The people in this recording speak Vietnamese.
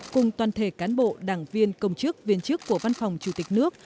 cùng toàn thể cán bộ đảng viên công chức viên chức của văn phòng chủ tịch nước